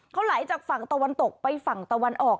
เขาไหลจากฝั่งตะวันตกไปฝั่งตะวันออก